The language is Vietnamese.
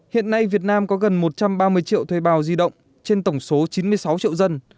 hiện nay việt nam có gần một trăm ba mươi triệu thuê bao di động trên tổng số chín mươi sáu triệu dân